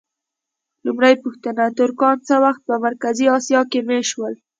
لومړۍ پوښتنه: ترکان څه وخت په مرکزي اسیا کې مېشت شول؟